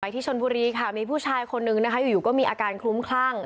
ที่ชนบุรีค่ะมีผู้ชายคนนึงนะคะอยู่ก็มีอาการคลุ้มคลั่ง